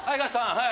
はい。